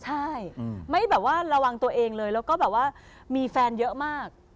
ใช่ไม่ระวังตัวเองเลยและก็ว่ามีแฟนเยอะมาก